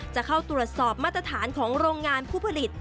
จะเข้าตรวจสอบมาตรฐานของโรงงานผู้ผลิต